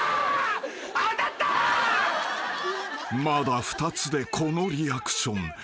［まだ２つでこのリアクション］